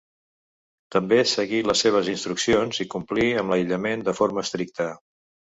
També seguir les seves instruccions i complir amb l'aïllament de forma estricta.